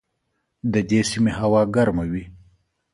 د دې سیمې هوا ګرمه وي.